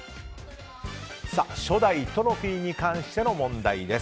初代トロフィーに関しての問題です。